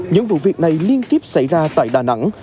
những vụ việc này liên tiếp xảy ra tại đà nẵng